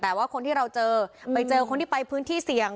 แต่ว่าคนที่เราเจอไปเจอคนที่ไปพื้นที่เสี่ยง